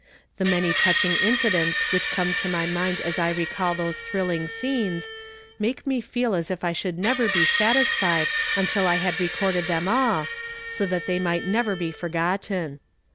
The many touching incidents which come to my mind as I recall those thrilling scenes make me feel as if I should never be satisfied until I had recorded them all, so that they might never be forgotten.